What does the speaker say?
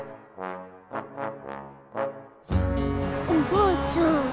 おばあちゃん